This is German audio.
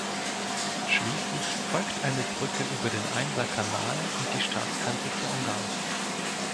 Schließlich folgt eine Brücke über den Einser-Kanal und die Staatsgrenze zu Ungarn.